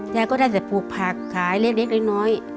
ยายก็ได้แต่ปลูกผักขายเล็กน้อย